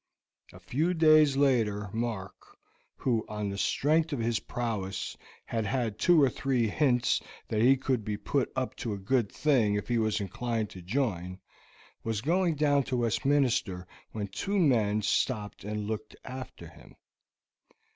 A few days later Mark, who, on the strength of his prowess, had had two or three hints that he could be put up to a good thing if he was inclined to join, was going down to Westminster when two men stopped and looked after him.